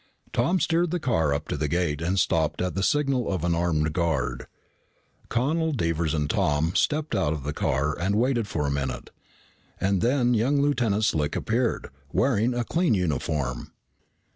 Tom steered the car up to the gate and stopped at the signal of an armed guard. Connel, Devers, and Tom stepped out of the car and waited for a minute, and then young Lieutenant Slick appeared, wearing a clean uniform.